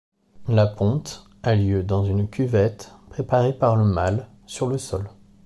La ponte a lieu dans une cuvette préparée par le mâle sur le sol.